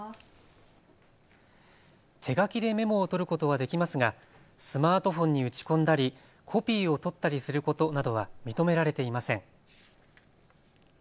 手書きでメモを取ることはできますがスマートフォンに打ち込んだりコピーを取ったりすることなどは認められていません。